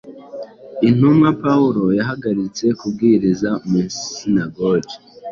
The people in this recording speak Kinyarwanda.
intumwa Pawulo yahagaritse kubwiririza mu isinagogi.